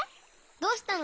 どうしたの？